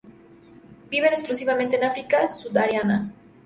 Viven exclusivamente en África subsahariana.